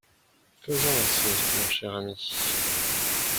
Faisons ainsi mon cher ami.